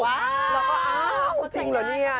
ว้าวจริงเหรอเนี่ย